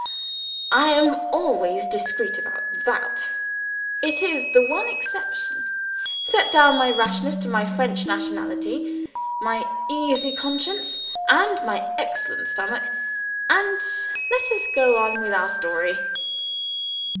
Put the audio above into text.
Ah, I am always discreet about that; it is the one exception.) Set down my rashness to my French nationality, my easy conscience, and my excellent stomach and let us go on with our story.